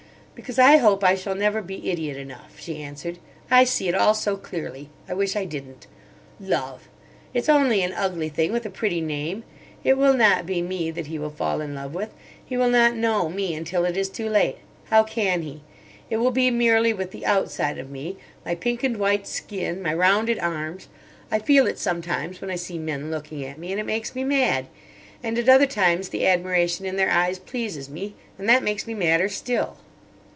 "Because I hope I shall never be idiot enough," she answered. "I see it all so clearly. I wish I didn't. Love! it's only an ugly thing with a pretty name. It will not be me that he will fall in love with. He will not know me until it is too late. How can he? It will be merely with the outside of me—my pink and white skin, my rounded arms. I feel it sometimes when I see men looking at me, and it makes me mad. And at other times the admiration in their eyes pleases me. And that makes me madder still."